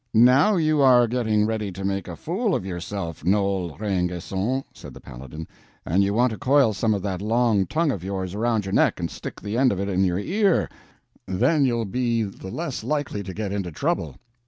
"Now you are getting ready to make a fool of yourself, Noel Rainguesson," said the Paladin, "and you want to coil some of that long tongue of yours around your neck and stick the end of it in your ear, then you'll be the less likely to get into trouble."